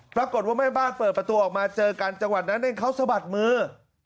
ปรากฏว่าแม่บ้านเปิดประตูออกมาเจอกันจังหวัดนั้นเองเขาสะบัดมือ